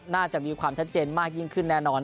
น่าจะมีความชัดเจนมากยิ่งขึ้นแน่นอน